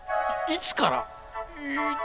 いつから？